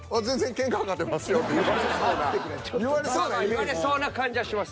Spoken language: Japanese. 言われそうな感じはします。